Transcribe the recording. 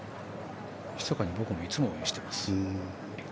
ひそかに僕もいつも応援しています。